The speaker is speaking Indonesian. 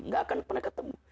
nggak akan pernah ketemu